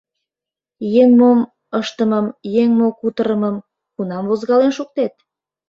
Еҥ мо ыштымым, еҥ мо кутырымым — кунам возгален шуктет?